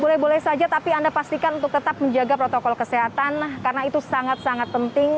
boleh boleh saja tapi anda pastikan untuk tetap menjaga protokol kesehatan karena itu sangat sangat penting